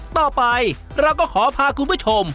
ต่อไปเราก็ขอพาคุณผู้ชม